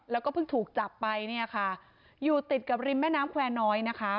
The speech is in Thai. แล้วก็เพิ่งถูกจับไปเนี่ยค่ะอยู่ติดกับริมแม่น้ำแควร์น้อยนะคะ